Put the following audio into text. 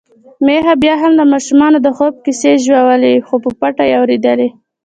میښه بيا هم د ماشومانو د خوب کیسې ژولي، خو په پټه يې اوريدلې.